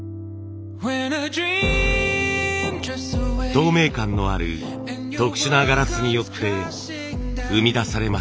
透明感のある特殊なガラスによって生み出されました。